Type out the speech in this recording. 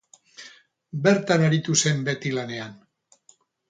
Bertan aritu zen beti lanean.